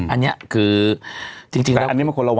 อันนี้คือจริงแล้ว